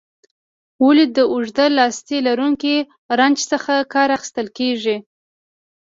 ولې د اوږد لاستي لرونکي رنچ څخه کار اخیستل کیږي؟